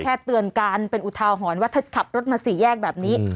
เตือนการเป็นอุทาหรณ์ว่าถ้าขับรถมาสี่แยกแบบนี้